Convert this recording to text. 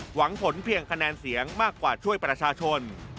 หวังผลเพียงคะแนนเสียงมากกว่าช่วยประชาชน